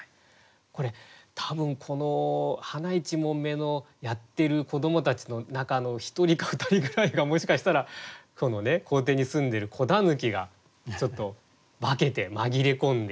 これ多分この花いちもんめのやってる子どもたちの中の１人か２人ぐらいがもしかしたら校庭に住んでる子狸がちょっと化けて紛れ込んでいる。